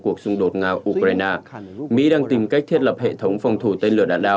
cuộc xung đột nga ukraine mỹ đang tìm cách thiết lập hệ thống phòng thủ tên lửa đạn đạo